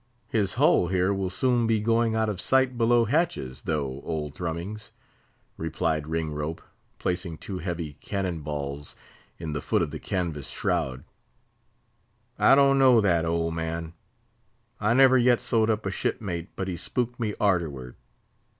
"His hull here will soon be going out of sight below hatches, though, old Thrummings," replied Ringrope, placing two heavy cannon balls in the foot of the canvas shroud. "I don't know that, old man; I never yet sewed up a ship mate but he spooked me arterward.